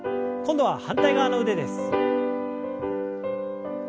今度は反対側の腕です。